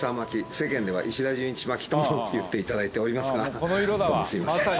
世間では石田純一巻きとも言っていただいておりますがどうもすいません。